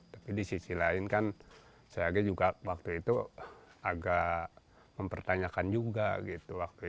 tapi di sisi lain kan saya juga waktu itu agak mempertanyakan juga gitu